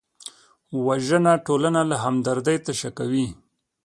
وژنه ټولنه له همدردۍ تشه کوي